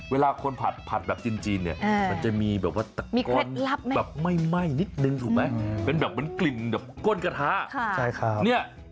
เวลาคนผัดผัดแบบจริงเนี่ยมันจะมีแบบว่ามีเคล็ดลับไหมแบบไหม้นิดหนึ่งถูกไหมเป็นแบบมันกลิ่นแบบก้นกระทะค่ะใช่ครับ